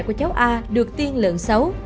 của cháu a được tiên lượng xấu